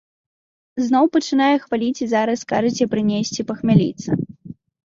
Зноў пачынаеце хваліць і зараз скажаце прынесці пахмяліцца.